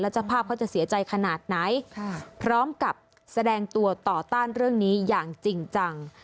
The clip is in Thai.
เจ้าภาพเขาจะเสียใจขนาดไหนพร้อมกับแสดงตัวต่อต้านเรื่องนี้อย่างจริงจัง